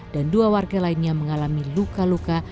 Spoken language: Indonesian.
dan dua warga lainnya mengalami luka luka